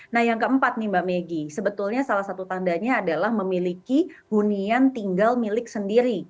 nah yang keempat nih mbak meggy sebetulnya salah satu tandanya adalah memiliki hunian tinggal milik sendiri